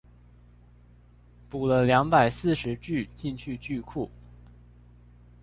補了兩百四十句進去句庫